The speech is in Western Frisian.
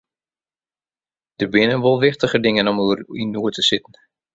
Der binne wol wichtiger dingen om oer yn noed te sitten.